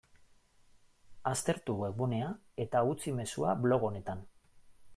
Aztertu webgunea eta utzi mezua blog honetan.